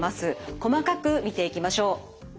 細かく見ていきましょう。